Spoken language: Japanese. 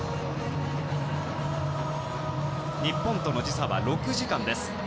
日本との時差は６時間です。